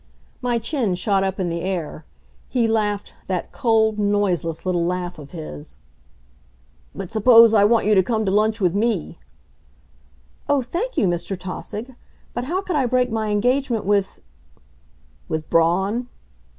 My chin shot up in the air. He laughed, that cold, noiseless little laugh of his. "But suppose I want you to come to lunch with me?" "Oh, thank you, Mr. Tausig. But how could I break my engagement with " "With Braun?"